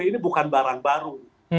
ini bukan barang baru